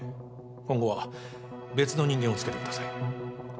今後は別の人間をつけてください